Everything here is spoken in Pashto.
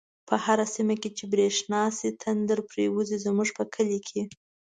په هره سیمه چی برشنا شی، تندر پریوزی زمونږ په کلی